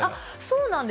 そうなんです。